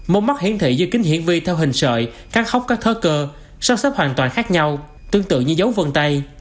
mông mắt hiển thị dưới kính hiển vi theo hình sợi căn khóc các thơ cơ sao sắp hoàn toàn khác nhau tương tự như dấu vân tay